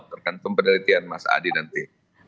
terkait pemerhatian mas adi nanti